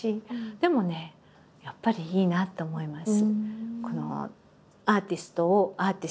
でもねやっぱりいいなって思います。